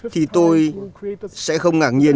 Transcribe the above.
thì tôi sẽ không ngạc nhiên